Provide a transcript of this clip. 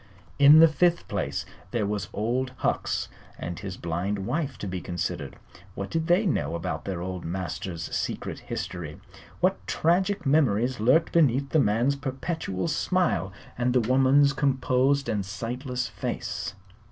In the fifth place there was Old Hucks and his blind wife to be considered. What did they know about their old master's secret history? What tragic memories lurked beneath the man's perpetual smile and the woman's composed and sightless face?